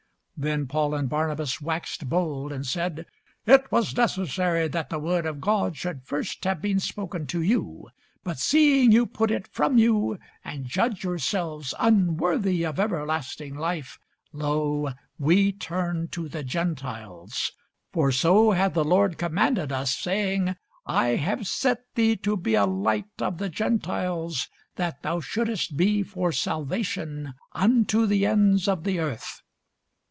Then Paul and Barnabas waxed bold, and said, It was necessary that the word of God should first have been spoken to you: but seeing ye put it from you, and judge yourselves unworthy of everlasting life, lo, we turn to the Gentiles. For so hath the Lord commanded us, saying, I have set thee to be a light of the Gentiles, that thou shouldest be for salvation unto the ends of the earth.